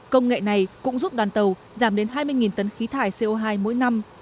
công nghệ này cũng giúp đoàn tàu giảm đến hai mươi tấn khí thải co hai mỗi năm